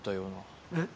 えっ？